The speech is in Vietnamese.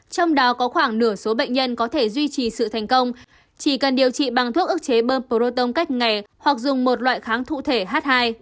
trong đó có khoảng nửa số bệnh nhân có thể duy trì sự thành công chỉ cần điều trị bằng thuốc ước chế bơm proton cách ngày hoặc dùng một loại kháng cụ thể h hai